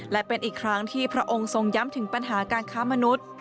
และเป็นอีกครั้งที่พระองค์ทรงย้ำถึงปัญหาการค้ามนุษย์